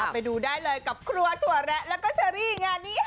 ไม่ชัวร์หรือเปล่า